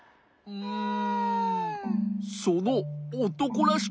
うん。